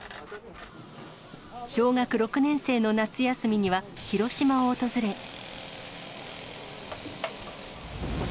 小学６年生の夏休みには広島を訪れ。